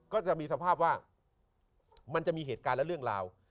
ก็จะมีสภาพว่ามันจะมีเหตุการณ์และเรื่องราว